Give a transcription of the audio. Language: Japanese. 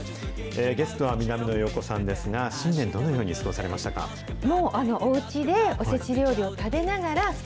ゲストは南野陽子さんですが、新年はどのように過ごしましたが。